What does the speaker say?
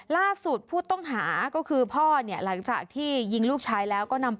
ล่าสุดผู้ต้องหาก็คือพ่อเนี่ยหลังจากที่ยิงลูกชายแล้วก็นำ